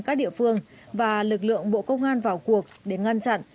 các địa phương và lực lượng bộ công an vào cuộc để ngăn chặn